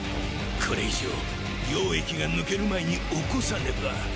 これ以上溶液が抜ける前に起こさねば。